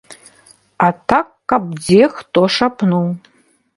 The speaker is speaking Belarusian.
А так каб дзе хто шапнуў.